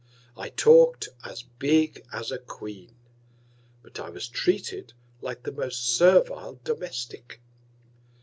I talk'd as big as a Queen; but I was treated like the most servile Domestic.